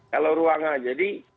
kalau ruangnya jadi